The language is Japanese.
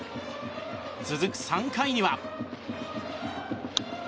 続く３回には。